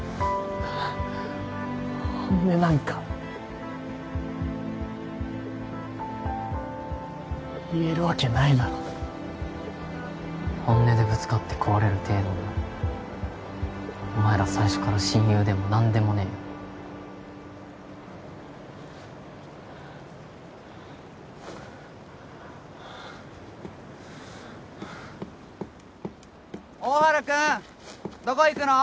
本音なんか言えるわけないだろ本音でぶつかって壊れる程度ならお前ら最初から親友でも何でもねえよ大原君どこ行くの？